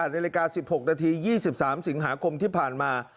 นาฬิกา๑๖นาที๒๓สิงหาคมที่ผ่านมา